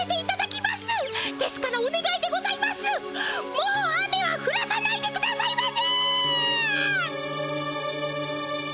もう雨はふらさないでくださいませ！